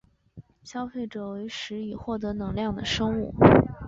消费者为食以获得能量的生物。